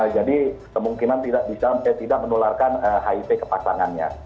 jadi kemungkinan tidak bisa menularkan hiv ke pasangannya